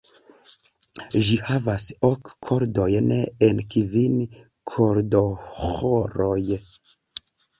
Ĝi havas ok kordojn en kvin kordoĥoroj.